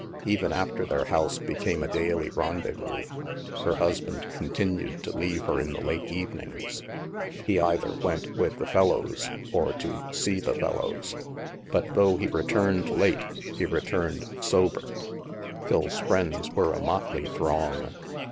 Even after their house became a daily rendezvous, her husband continued to leave her in the late even ings. He either went "with the fellows," or to " see the fellows." But, though he returned late, he returned sober. Phil's friends were a motley throng.